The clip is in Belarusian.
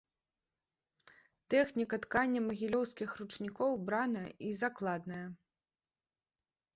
Тэхніка ткання магілёўскіх ручнікоў браная і закладная.